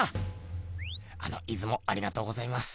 あのいつもありがとうございます。